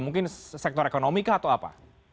mungkin sektor ekonomi kah atau apa